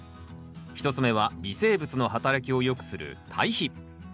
１つ目は微生物の働きをよくする堆肥。